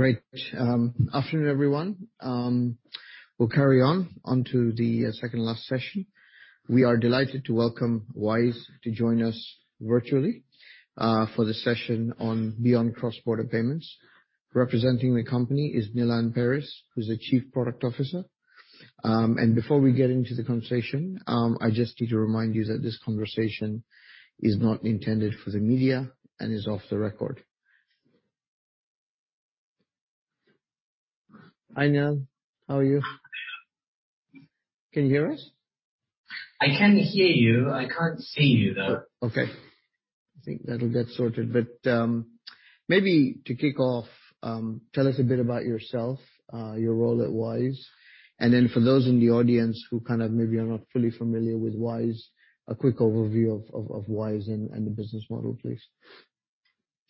Great. Afternoon, everyone. We'll carry on to the second last session. We are delighted to welcome Wise to join us virtually for the session on Beyond Cross-Border Payments. Representing the company is Nilan Peiris, who's the Chief Product Officer. Before we get into the conversation, I just need to remind you that this conversation is not intended for the media and is off the record. Hi, Nilan. How are you? Can you hear us? I can hear you. I can't see you, though. Okay. I think that'll get sorted. Maybe to kick off, tell us a bit about yourself, your role at Wise, and then for those in the audience who kind of maybe are not fully familiar with Wise, a quick overview of Wise and the business model, please.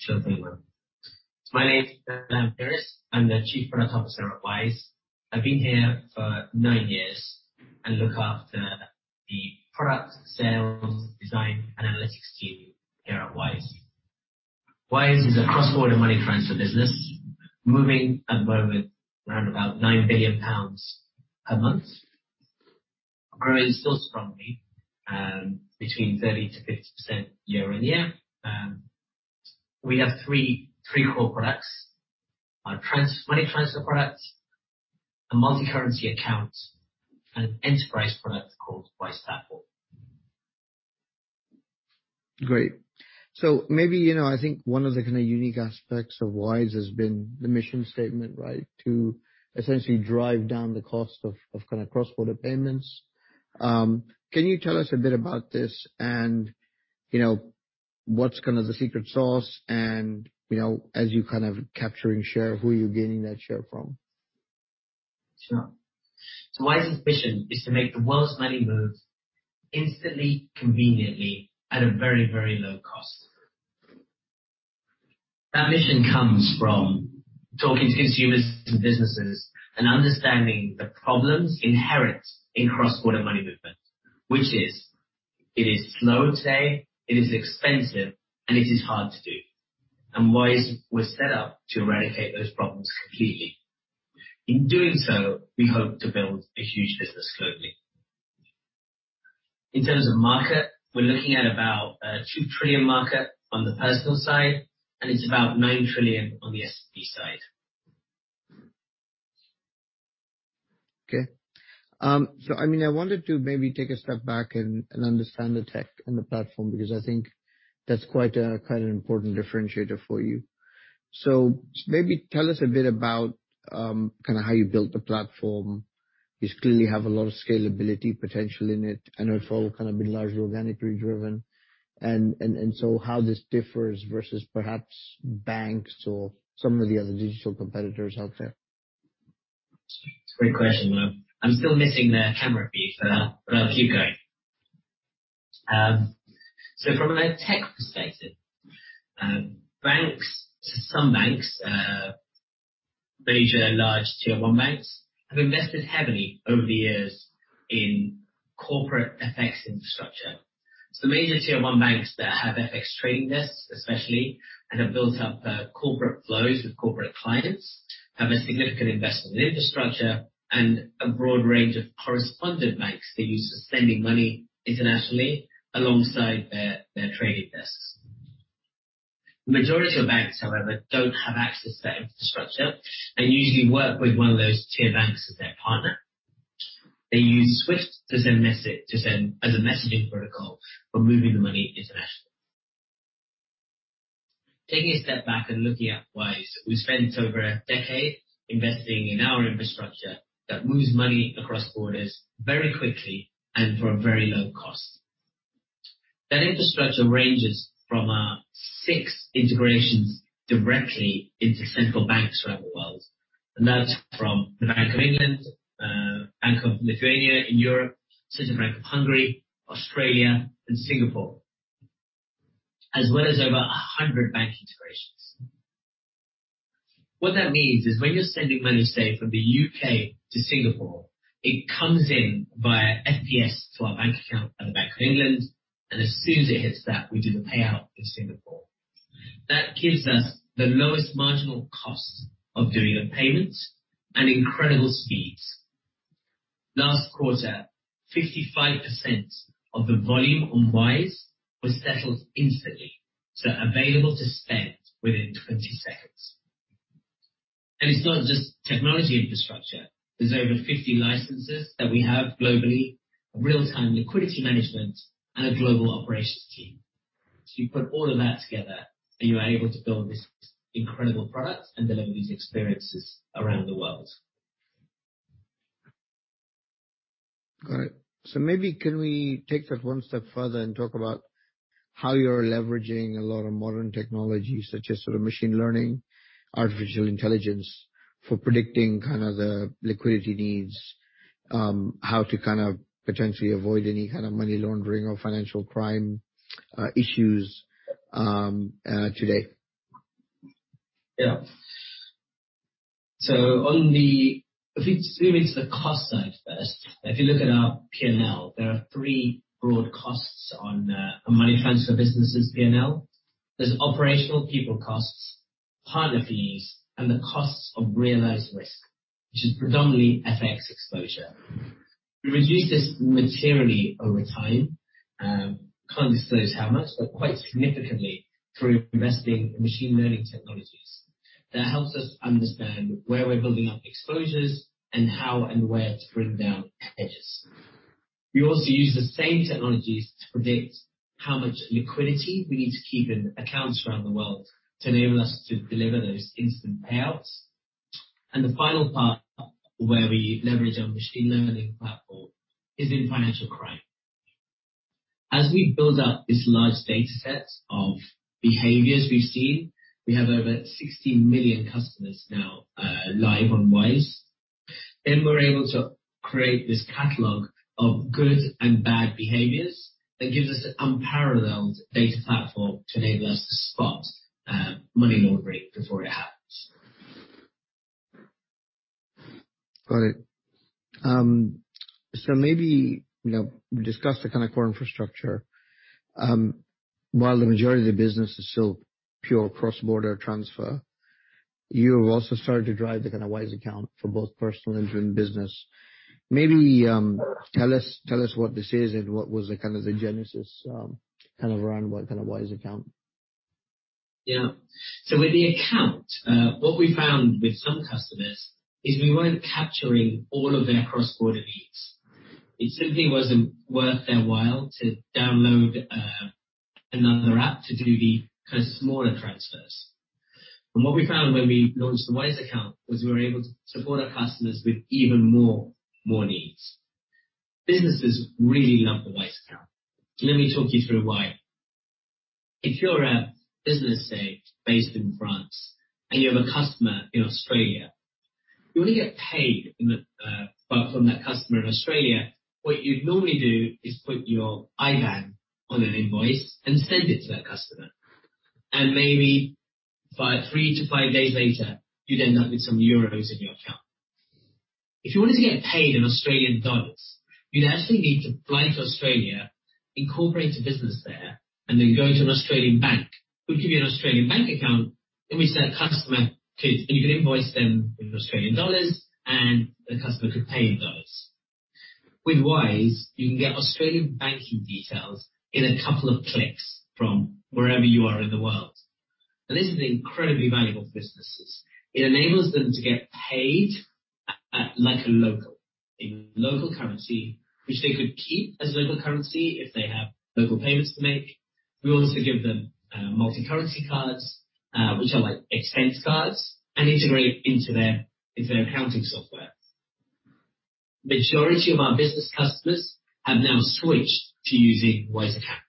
Sure thing, well. My name is Nilan Peiris. I'm the Chief Product Officer at Wise. I've been here for nine years and look after the product, sales, design, and analytics team here at Wise. Wise is a cross-border money transfer business, moving at the moment around about 9 billion pounds a month. Growing still strongly, between 30%-50% year-on-year. We have three core products. Our Money transfer product, a multi-currency account, and an enterprise product called Wise Platform. Great. Maybe, you know, I think one of the kind of unique aspects of Wise has been the mission statement, right? To essentially drive down the cost of kind of cross-border payments. Can you tell us a bit about this and, you know, what's kind of the secret sauce and, you know, as you're kind of capturing share, who are you gaining that share from? Wise's mission is to make the world's money moves instantly, conveniently, at a very, very low cost. That mission comes from talking to consumers and businesses and understanding the problems inherent in cross-border money movement, which is, it is slow today, it is expensive, and it is hard to do. Wise, we're set up to eradicate those problems completely. In doing so, we hope to build a huge business globally. In terms of market, we're looking at about a $2 trillion market on the personal side, and it's about $9 trillion on the SB side. Okay. I mean, I wanted to maybe take a step back and understand the tech on the platform, because I think that's quite an important differentiator for you. Maybe tell us a bit about kind of how you built the platform. You clearly have a lot of scalability potential in it, and it's all kind of been largely organically driven, how this differs versus perhaps banks or some of the other digital competitors out there. Great question. Well, I'm still missing the camera feed, but I'll keep going. From a tech perspective, banks, some banks, major large Tier One banks, have invested heavily over the years in corporate FX infrastructure. The major Tier One banks that have FX trading desks, especially, and have built up corporate flows with corporate clients, have a significant investment in infrastructure and a broad range of correspondent banks they use for sending money internationally alongside their trading desks. The majority of banks, however, don't have access to that infrastructure. They usually work with one of those tier banks as their partner. They use Swift to send as a messaging protocol for moving the money internationally. Taking a step back and looking at Wise, we spent over a decade investing in our infrastructure that moves money across borders very quickly and for a very low cost. That infrastructure ranges from six integrations directly into central banks around the world, that's from the Bank of England, Bank of Lithuania in Europe, Central Bank of Hungary, Australia, and Singapore, as well as over 100 bank integrations. What that means is when you're sending money, say, from the U.K. to Singapore, it comes in via FPS to our bank account at the Bank of England, and as soon as it hits that, we do the payout in Singapore. That gives us the lowest marginal cost of doing a payment and incredible speeds. Last quarter, 55% of the volume on Wise was settled instantly, so available to spend within 20 seconds. It's not just technology infrastructure. There's over 50 licenses that we have globally, real-time liquidity management, and a global operations team. You put all of that together, and you are able to build this incredible product and deliver these experiences around the world. Got it. Maybe, can we take that one step further and talk about how you're leveraging a lot of modern technology, such as sort of machine learning, artificial intelligence, for predicting kind of the liquidity needs, how to kind of potentially avoid any kind of money laundering or financial crime, issues, today? On the, if we move to the cost side first, if you look at our PNL, there are three broad costs on money transfer businesses PNL. There's operational people costs, partner fees, and the costs of realized risk, which is predominantly FX exposure. We reduced this materially over time. Can't disclose how much, but quite significantly through investing in machine learning technologies. That helps us understand where we're building up exposures and how and where to bring down edges. We also use the same technologies to predict how much liquidity we need to keep in accounts around the world to enable us to deliver those instant payouts. The final part, where we leverage our machine learning platform, is in financial crime. As we build up this large data set of behaviors we've seen, we have over 16 million customers now, live on Wise, then we're able to create this catalog of good and bad behaviors. That gives us an unparalleled data platform to enable us to spot money laundering before it happens. Got it. Maybe, you know, we discussed the kind of core infrastructure. While the majority of the business is still pure cross-border transfer, you've also started to drive the kind of Wise Account for both personal and doing business. Maybe, tell us what this is and what was the kind of the genesis, kind of around what kind of Wise Account? Yeah. With the account, what we found with some customers is we weren't capturing all of their cross-border needs. It simply wasn't worth their while to download another app to do the kind of smaller transfers. What we found when we launched the Wise Account, was we were able to support our customers with even more needs. Businesses really love the Wise Account. Let me talk you through why. If you're a business, say, based in France, and you have a customer in Australia, you want to get paid in the from that customer in Australia, what you'd normally do is put your IBAN on an invoice and send it to that customer. Maybe by three to five days later, you'd end up with some euros in your account. If you wanted to get paid in Australian dollars, you'd actually need to fly to Australia, incorporate a business there, then go into an Australian bank, who give you an Australian bank account, in which that customer could. You can invoice them in Australian dollars, and the customer could pay in AUD. With Wise, you can get Australian banking details in a couple of clicks from wherever you are in the world. This is incredibly valuable for businesses. It enables them to get paid at, like a local, in local currency, which they could keep as local currency if they have local payments to make. We also give them multi-currency cards, which are like expense cards and integrate into their accounting software. Majority of our business customers have now switched to using Wise Account,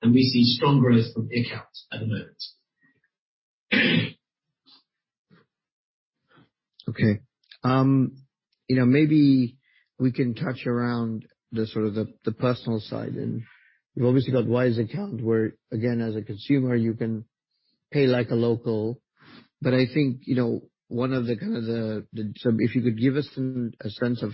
and we see strong growth from the Account at the moment. Okay. You know, maybe we can touch around the sort of the personal side. You've obviously got Wise Account, where again, as a consumer, you can pay like a local. I think, you know, one of the kind of if you could give us some, a sense of,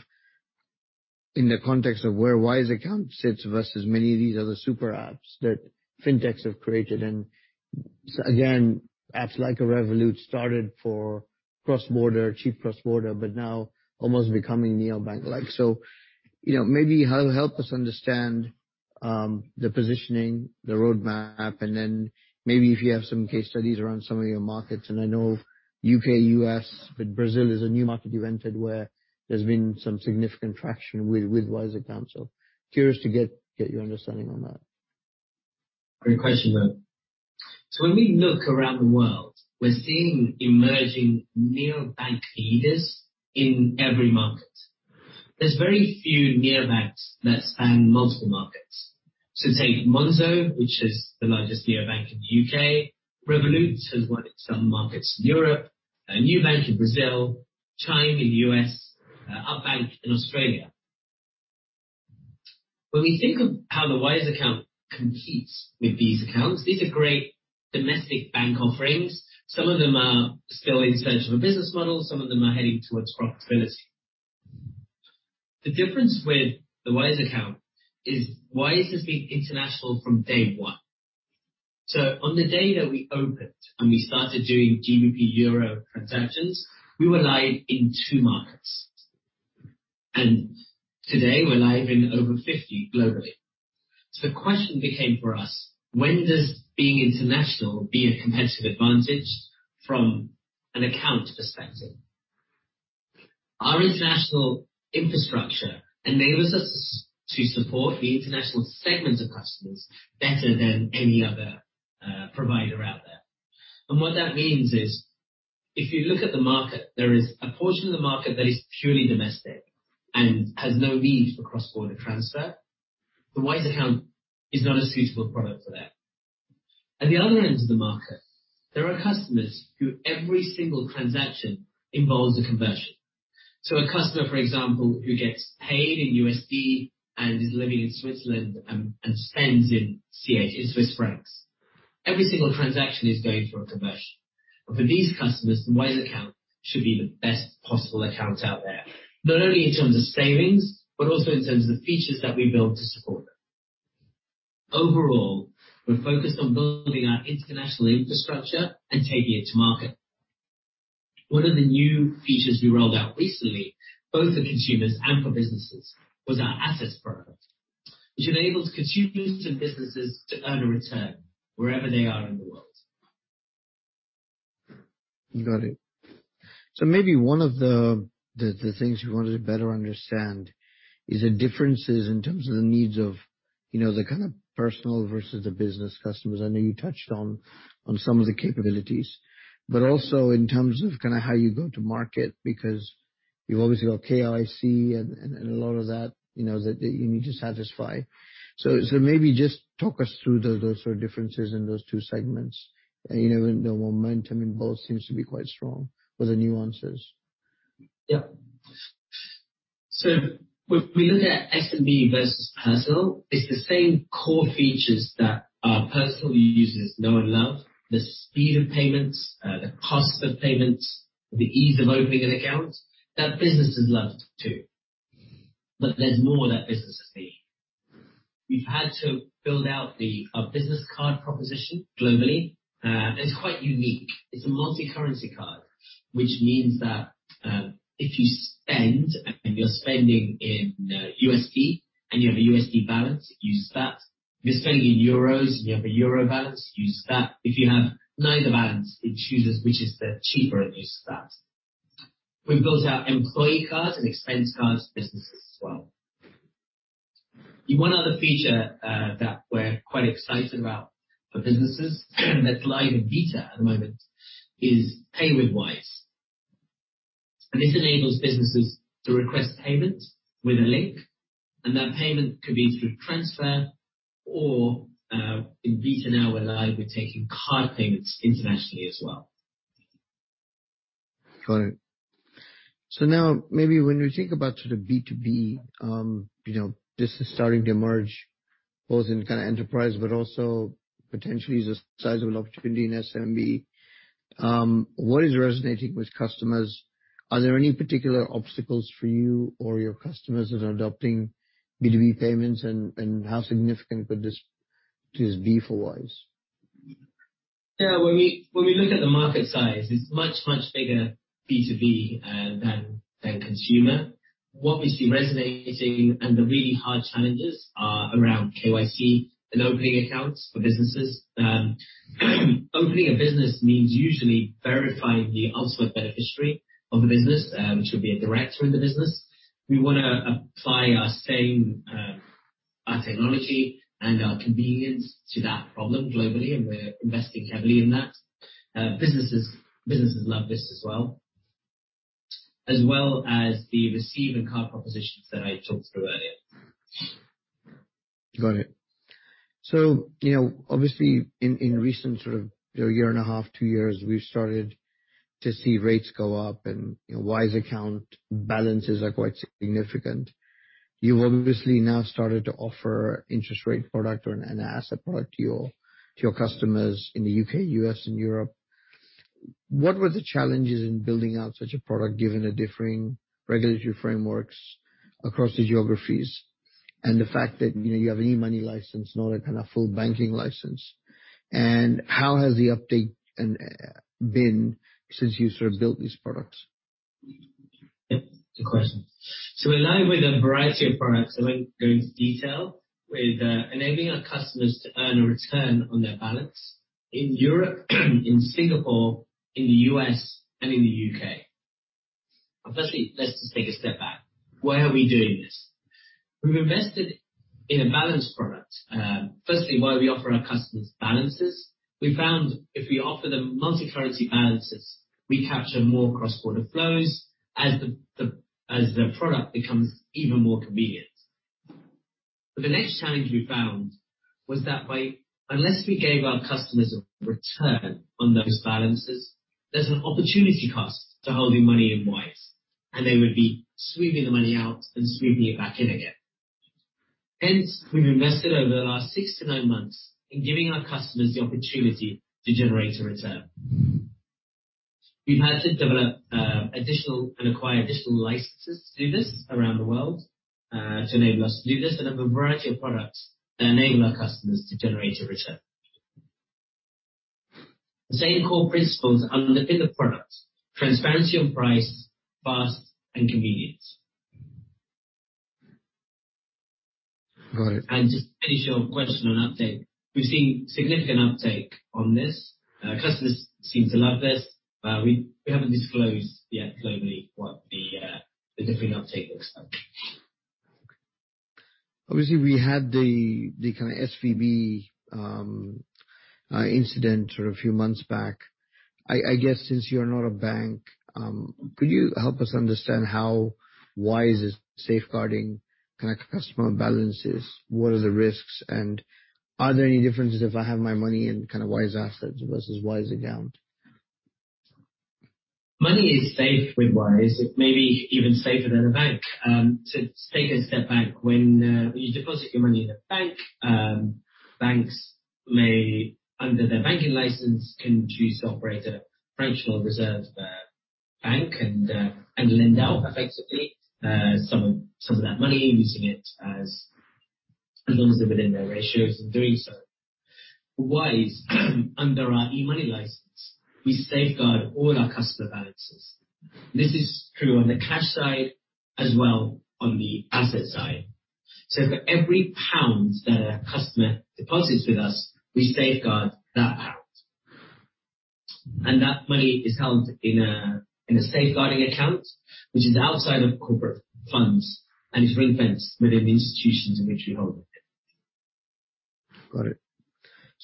in the context of where Wise Account sits versus many of these other super apps that fintechs have created. Again, apps like a Revolut started for cross-border, cheap cross-border, but now almost becoming neobank-like. You know, maybe help us understand the positioning, the roadmap, and then maybe if you have some case studies around some of your markets. I know U.K., U.S., but Brazil is a new market you've entered, where there's been some significant traction with Wise Account. Curious to get your understanding on that. Great question, though. When we look around the world, we're seeing emerging neobank leaders in every market. There's very few neobanks that span multiple markets. Take Monzo, which is the largest neobank in the U.K. Revolut has won in some markets in Europe, and Nubank in Brazil, Chime in the U.S., Up Bank in Australia. When we think of how the Wise Account competes with these accounts, these are great domestic bank offerings. Some of them are still in search of a business model, some of them are heading towards profitability. The difference with the Wise Account is Wise has been international from day one. On the day that we opened, and we started doing GBP, EUR transactions, we were live in 2 markets. Today, we're live in over 50 globally. The question became for us: When does being international be a competitive advantage from an account perspective? Our international infrastructure enables us to support the international segments of customers better than any other provider out there. What that means is, if you look at the market, there is a portion of the market that is purely domestic and has no need for cross-border transfer. The Wise Account is not a suitable product for that. At the other end of the market, there are customers who every single transaction involves a conversion. A customer, for example, who gets paid in USD and is living in Switzerland and spends in CH, in Swiss francs, every single transaction is going through a conversion. For these customers, the Wise Account should be the best possible account out there, not only in terms of savings, but also in terms of the features that we build to support them. Overall, we're focused on building our international infrastructure and taking it to market. One of the new features we rolled out recently, both for consumers and for businesses, was our assets product, which enables consumers and businesses to earn a return wherever they are in the world. Got it. Maybe one of the things we wanted to better understand is the differences in terms of the needs of, you know, the kind of personal versus the business customers. I know you touched on some of the capabilities, but also in terms of kind of how you go to market, because you've obviously got KYC and a lot of that, you know, that you need to satisfy. Maybe just talk us through those sort of differences in those two segments, and, you know, the momentum in both seems to be quite strong, but the nuances. When we look at SMB versus personal, it's the same core features that our personal users know and love, the speed of payments, the cost of payments, the ease of opening an account, that businesses love, too. There's more that businesses need. We've had to build out the business card proposition globally, and it's quite unique. It's a multi-currency card, which means that, if you spend, and you're spending in USD, and you have a USD balance, it use that. If you're spending in euros, and you have a euro balance, use that. If you have neither balance, it chooses which is the cheaper and use that. We've built out employee cards and expense cards for businesses as well. The one other feature that we're quite excited about for businesses, that's live in beta at the moment, is Pay with Wise. This enables businesses to request payment with a link, and that payment could be through transfer or, in beta now we're live with taking card payments internationally as well. Got it. Now maybe when you think about sort of B2B, you know, this is starting to emerge both in kind of enterprise, but also potentially as a sizable opportunity in SMB. What is resonating with customers? Are there any particular obstacles for you or your customers that are adopting B2B payments, and how significant could this be for Wise? Yeah, when we look at the market size, it's much bigger B2B than consumer. What we see resonating, and the really hard challenges, are around KYC and opening accounts for businesses. Opening a business means usually verifying the ultimate beneficiary of the business, which would be a director in the business. We wanna apply our same technology and our convenience to that problem globally, and we're investing heavily in that. Businesses love this as well, as well as the receiving card propositions that I talked through earlier. Got it. You know, obviously, in recent, sort of a 1 and a half, 2 years, we've started to see rates go up and, you know, Wise Account balances are quite significant. You've obviously now started to offer interest rate product and an asset product to your customers in the U.K., U.S., and Europe. What were the challenges in building out such a product, given the differing regulatory frameworks across the geographies and the fact that, you know, you have an e-money license, not a kind of full banking license? How has the uptake been since you sort of built these products? Yep, good question. We're live with a variety of products, I won't go into detail, with enabling our customers to earn a return on their balance in Europe, in Singapore, in the US, and in the UK. Firstly, let's just take a step back. Why are we doing this? We've invested in a balance product. Firstly, why we offer our customers balances. We found if we offer them multi-currency balances, we capture more cross-border flows as the product becomes even more convenient. The next challenge we found was that unless we gave our customers a return on those balances, there's an opportunity cost to holding money in Wise, and they would be sweeping the money out and sweeping it back in again. Hence, we've invested over the last 6 to 9 months in giving our customers the opportunity to generate a return. We've had to develop additional and acquire additional licenses to do this around the world to enable us to do this. Have a variety of products that enable our customers to generate a return. The same core principles underpin the product: transparency on price, fast, and convenience. Right. Just to finish your question on update, we've seen significant uptake on this. Customers seem to love this, we haven't disclosed yet globally what the different uptake looks like. Obviously, we had the kind of SVB incident sort of a few months back. I guess since you're not a bank, could you help us understand Wise is safeguarding customer balances, what are the risks, and are there any differences if I have my money in kind of Wise assets versus Wise Account? Money is safe with Wise. It may be even safer than a bank. So take a step back. When, when you deposit your money in a bank, banks may, under their banking license, can choose to operate a fractional reserve banking and lend out effectively, some of that money, using it as long as they're within their ratios in doing so. Wise, under our e-money license, we safeguard all our customer balances. This is true on the cash side as well on the asset side. So for every GBP that a customer deposits with us, we safeguard that GBP. That money is held in a, in a safeguarding account, which is outside of corporate funds, and it's ring-fenced within the institutions in which we hold it. Got it.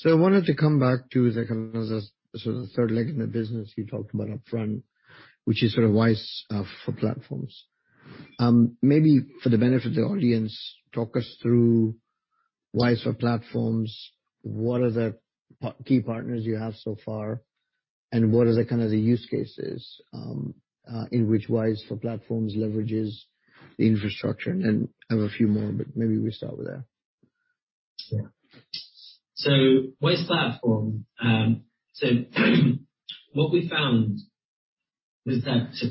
I wanted to come back to the kind of the, sort of the third leg in the business you talked about up front, which is sort of Wise Platform. Maybe for the benefit of the audience, talk us through Wise Platform. What are the key partners you have so far, and what are the, kind of the use cases in which Wise Platform leverages the infrastructure? Then I have a few more, but maybe we start with that. Sure. Wise Platform. What we found was that. To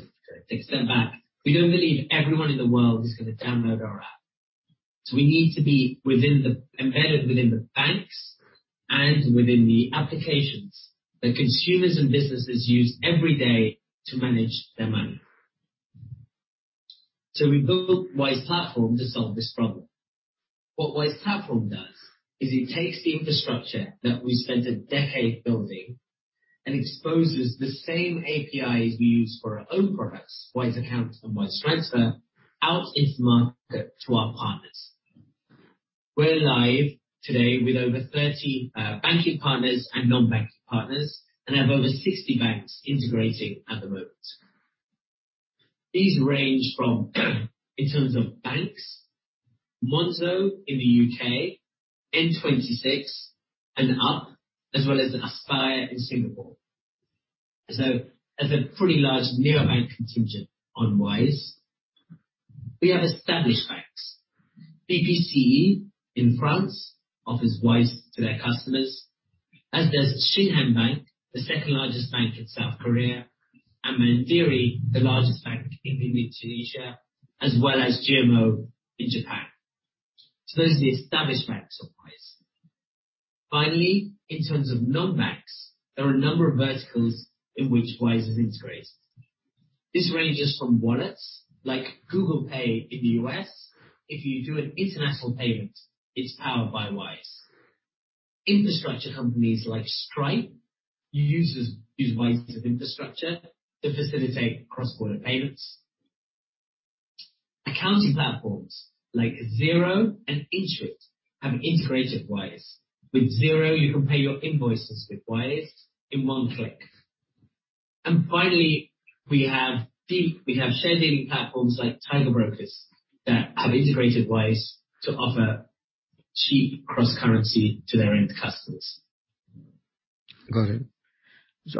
take a step back, we don't believe everyone in the world is going to download our app. We need to be embedded within the banks and within the applications that consumers and businesses use every day to manage their money. We built Wise Platform to solve this problem. What Wise Platform does, is it takes the infrastructure that we spent a decade building and exposes the same APIs we use for our own products, Wise Account and Wise Transfer, out into market to our partners. We're live today with over 30 banking partners and non-banking partners, and have over 60 banks integrating at the moment. These range from, in terms of banks, Monzo in the UK, N26 and Up, as well as Aspire in Singapore. There's a pretty large neobank contingent on Wise. We have established banks. BPCE in France offers Wise to their customers, as does Shinhan Bank, the second largest bank in South Korea, and Mandiri, the largest bank in Indonesia, as well as GMO in Japan. Those are the established banks on Wise. Finally, in terms of non-banks, there are a number of verticals in which Wise have integrated. This ranges from wallets like Google Pay in the U.S. If you do an international payment, it's powered by Wise. Infrastructure companies like Stripe use Wise's infrastructure to facilitate cross-border payments. Accounting platforms like Xero and Intuit have integrated Wise. With Xero, you can pay your invoices with Wise in 1 click. Finally, we have share dealing platforms like Tiger Brokers that have integrated Wise to offer cheap cross-currency to their end customers. Got it.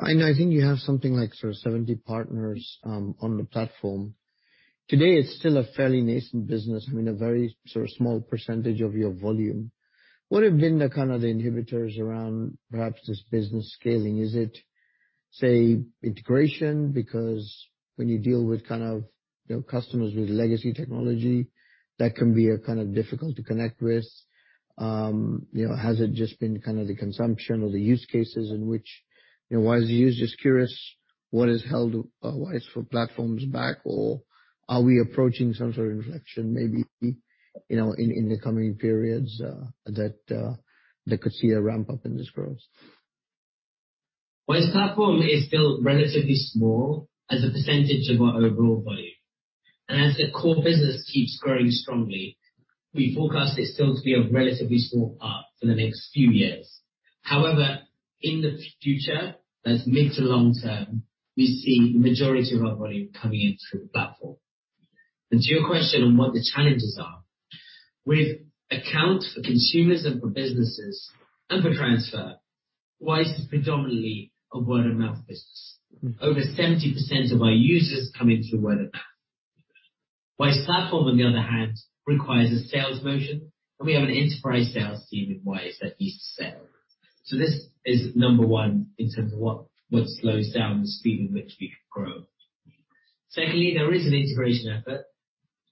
I know, I think you have something like 70 partners on the platform. Today, it's still a fairly nascent business, I mean, a very sort of small percentage of your volume. What have been the kind of the inhibitors around perhaps this business scaling? Is it, say, integration? Because when you deal with kind of, you know, customers with legacy technology, that can be kind of difficult to connect with. You know, has it just been kind of the consumption or the use cases in which, you know, Wise is used? Just curious what has held Wise for Platforms back, or are we approaching some sort of inflection, maybe, you know, in the coming periods, that could see a ramp-up in this growth? Wise Platform is still relatively small as a percentage of our overall volume. As the core business keeps growing strongly, we forecast it still to be a relatively small part for the next few years. However, in the future, that's mid to long term, we see the majority of our volume coming in through the platform. To your question on what the challenges are, with accounts for consumers and for businesses and for transfer, Wise is predominantly a word-of-mouth business. Mm-hmm. Over 70% of our users come in through word of mouth. Wise Platform, on the other hand, requires a sales motion, and we have an enterprise sales team in Wise that needs to sell. This is number one in terms of what slows down the speed in which we can grow. Secondly, there is an integration effort.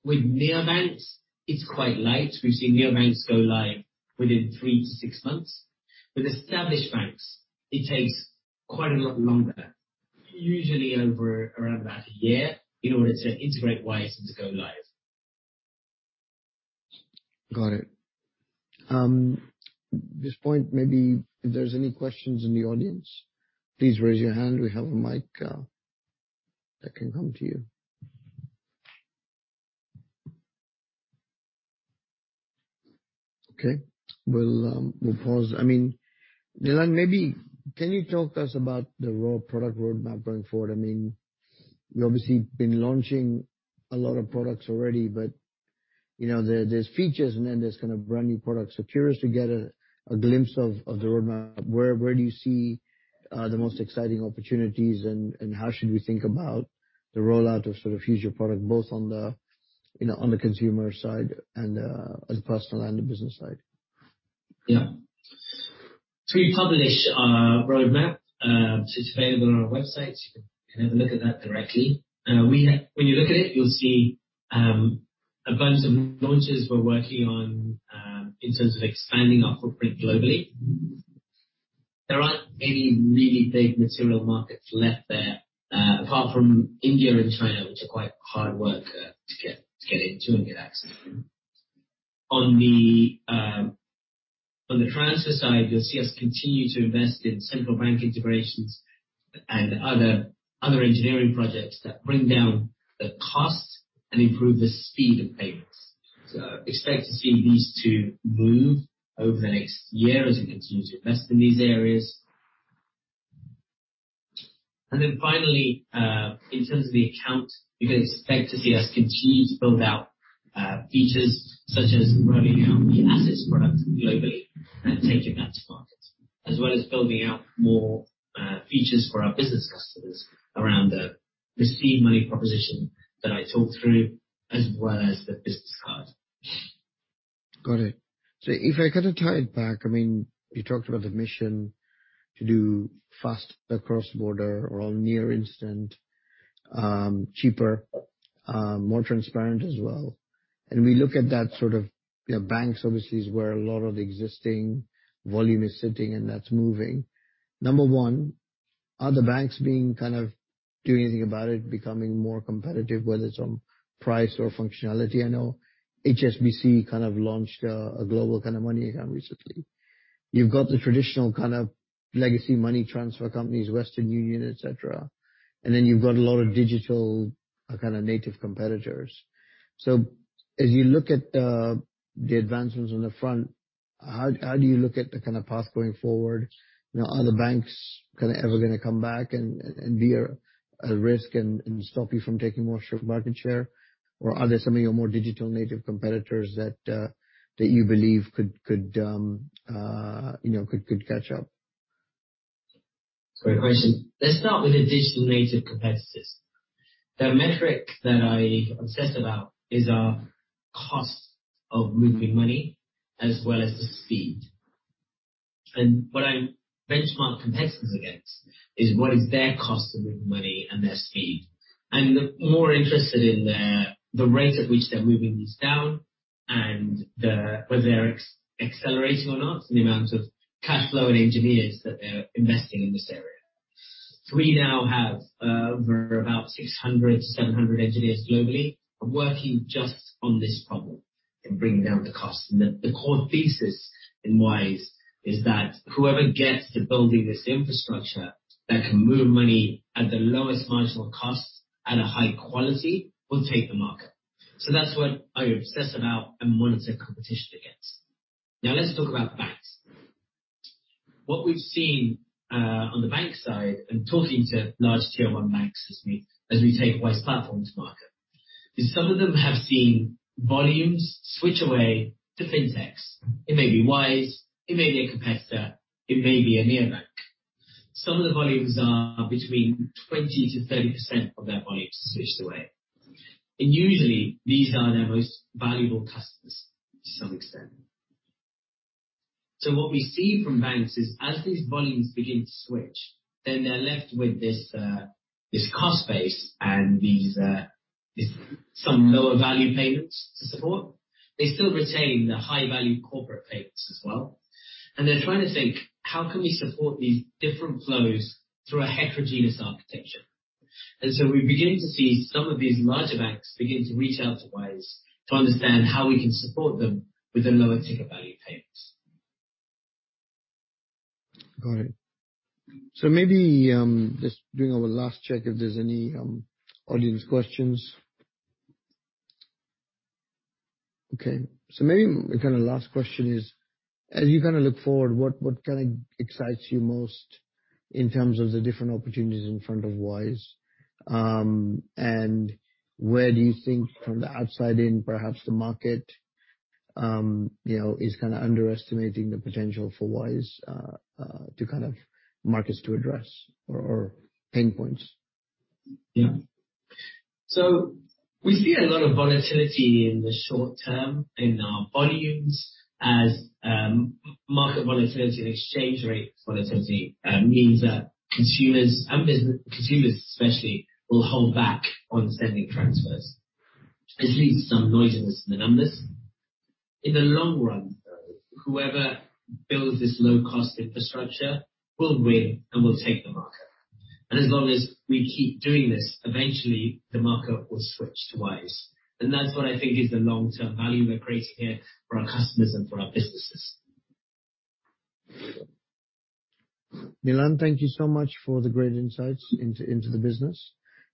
With neobanks, it's quite light. We've seen neobanks go live within 3-6 months. With established banks, it takes quite a lot longer, usually over around about a year, in order to integrate Wise to go live. Got it. At this point, maybe if there's any questions in the audience, please raise your hand. We have a mic that can come to you. Okay, we'll pause. I mean, Nilan, maybe can you talk to us about the raw product roadmap going forward? I mean, you obviously been launching a lot of products already, but, you know, there's features, and then there's kind of brand new products. Curious to get a glimpse of the roadmap. Where, where do you see the most exciting opportunities, and how should we think about the rollout of sort of future product, both on the, you know, on the consumer side and on the personal and the business side? Yeah. We publish our roadmap. It's available on our website. You can have a look at that directly. When you look at it, you'll see a bunch of launches we're working on in terms of expanding our footprint globally. There aren't any really big material markets left there apart from India and China, which are quite hard work to get into and get access. On the transfer side, you'll see us continue to invest in central bank integrations and other engineering projects that bring down the cost and improve the speed of payments. Expect to see these two move over the next year as we continue to invest in these areas. Finally, in terms of the account, you can expect to see us continue to build out features such as rolling out the assets product globally and taking that to market, as well as building out more features for our business customers around the receive money proposition that I talked through, as well as the business card. Got it. If I kind of tie it back, I mean, you talked about the mission to do faster cross-border or near instant, cheaper, more transparent as well. We look at that sort of, you know, banks obviously is where a lot of the existing volume is sitting, and that's moving. Number one, are the banks being kind of doing anything about it, becoming more competitive, whether it's on price or functionality? I know HSBC kind of launched a global kind of money account recently. You've got the traditional kind of legacy money transfer companies, Western Union, et cetera, and then you've got a lot of digital, kind of native competitors. As you look at the advancements on the front, how do you look at the kind of path going forward? You know, are the banks kind of ever gonna come back and be a risk and stop you from taking more market share? Are there some of your more digital-native competitors that you believe could, you know, could catch up? Great question. Let's start with the digital-native competitors. The metric that I obsess about is our cost of moving money as well as the speed. What I benchmark competitors against is what is their cost of moving money and their speed. I'm more interested in the rate at which they're moving this down. Whether they're ex-accelerating or not, and the amount of cash flow and engineers that they're investing in this area. We now have over about 600-700 engineers globally, working just on this problem and bringing down the cost. The core thesis in Wise is that whoever gets to building this infrastructure that can move money at the lowest marginal cost, at a high quality, will take the market. That's what I obsess about and monitor competition against. Now, let's talk about banks. What we've seen on the bank side, talking to large Tier One banks as we take Wise Platform to market, is some of them have seen volumes switch away to fintechs. It may be Wise, it may be a competitor, it may be a neobank. Some of the volumes are between 20%-30% of their volumes switched away, and usually, these are their most valuable customers to some extent. What we see from banks is as these volumes begin to switch, they're left with this cost base and these some lower value payments to support. They still retain the high-value corporate payments as well, and they're trying to think: How can we support these different flows through a heterogeneous architecture? We're beginning to see some of these larger banks begin to reach out to Wise, to understand how we can support them with the lower ticket value payments. Got it. Maybe, just doing our last check if there's any audience questions. Maybe the kind of last question is: As you kind of look forward, what kind of excites you most in terms of the different opportunities in front of Wise? And where do you think from the outside in, perhaps the market, you know, is kind of underestimating the potential for Wise to kind of markets to address or pain points? Yeah. We see a lot of volatility in the short term in our volumes as market volatility and exchange rate volatility means that consumers especially will hold back on sending transfers. This leads to some noisiness in the numbers. In the long run, though, whoever builds this low-cost infrastructure will win and will take the market. As long as we keep doing this, eventually the market will switch to Wise, and that's what I think is the long-term value we're creating here for our customers and for our businesses. Nilan, thank you so much for the great insights into the business,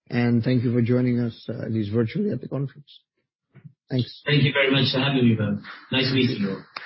and thank you for joining us at least virtually at the conference. Thanks. Thank you very much for having me, Vimal. Nice meeting you all.